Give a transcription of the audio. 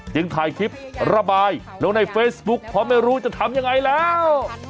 ถ่ายคลิประบายลงในเฟซบุ๊คเพราะไม่รู้จะทำยังไงแล้ว